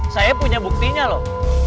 saya punya buktinya loh